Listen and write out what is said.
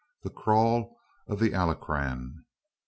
THE CRAWL OF THE ALACRAN.